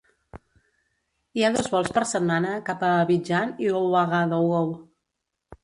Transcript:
Hi ha dos vols per setmana cap a Abidjan i Ouagadougou.